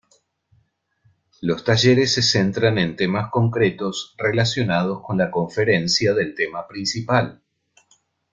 Los talleres se centran en temas concretos relacionados con la conferencia del tema principal.